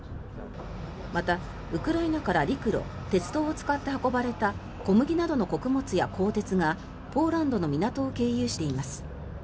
また、ウクライナから陸路、鉄道を使って運ばれた小麦などの穀物や鋼鉄がポーランドの港を経由して輸出されています。